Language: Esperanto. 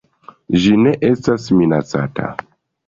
Ĝi ne estas minacata.